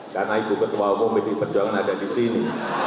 karena itu ketua hukum politik perjuangan ada di sini